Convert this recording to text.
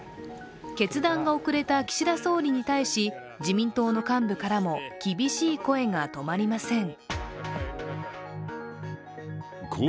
決断が遅れた岸田総理に対し自民党の幹部からも厳しい声が止まりません。